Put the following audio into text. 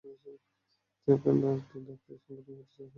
তিনি আফগান ধাত্রী সংগঠন প্রতিষ্ঠার সমর্থক ছিলেন।